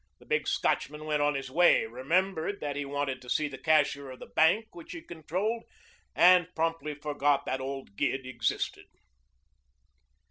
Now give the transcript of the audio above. The big Scotchman went on his way, remembered that he wanted to see the cashier of the bank which he controlled, and promptly forgot that old Gid existed.